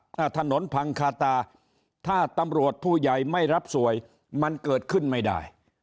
ถ้าถนนพังคาตาถ้าตำรวจผู้ใหญ่ไม่รับสวยมันเกิดขึ้นไม่ได้